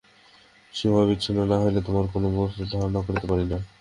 সীমাবচ্ছিন্ন না হইলে আমরা কোন বস্তুর ধারণা করিতে পারি না।